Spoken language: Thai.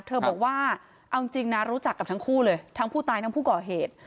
เธอบอกว่าเอาจริงนะรู้จักกับทั้งคู่เลยทั้งผู้ตายทั้งผู้ก่อเหตุ